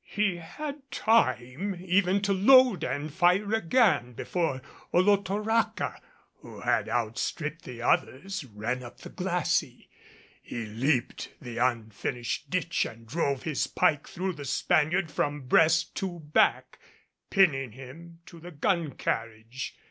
He had time even to load and fire again before Olotoraca, who had outstripped the others, ran up the glacis, leaped the unfinished ditch and drove his pike through the Spaniard from breast to back, pinning him to the gun carriage.